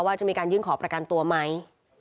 ว่าจะมีการยื่นขอประกันตัวไหม